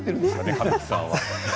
神木さんは。